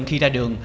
khi ra đường